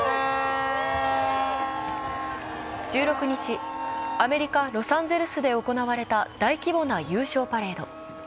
１６日、アメリカ・ロサンゼルスで行われた大規模な優勝パレード。